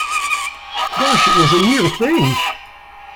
Gosh, it was a near thing!